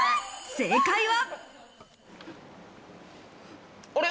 正解は。